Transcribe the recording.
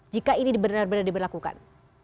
jika ini benar benar diberlakukan